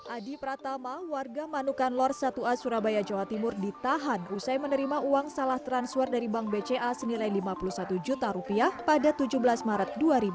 adi pratama warga manukan lor satu a surabaya jawa timur ditahan usai menerima uang salah transfer dari bank bca senilai lima puluh satu juta rupiah pada tujuh belas maret dua ribu dua puluh